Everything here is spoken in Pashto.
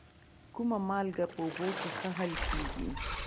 کومه مالګه په اوبو کې ښه حل کیږي؟